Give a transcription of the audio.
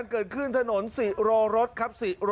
ที่ไหนค่ะ